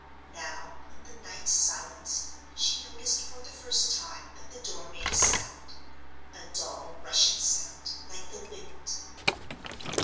Now, in the night silence, she noticed for the first time that the door made a sound—a dull, rushing sound, like the wind.